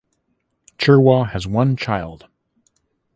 Chirwa has one child.